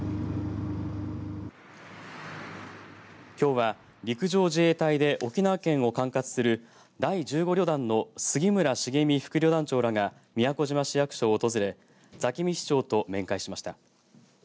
きょうは陸上自衛隊で沖縄県を管轄する第１５旅団の杉村繁実副旅団長らが宮古島市役所を訪れ座喜味市長と面会しました。